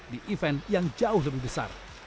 di event yang jauh lebih besar